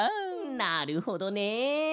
なるほどね。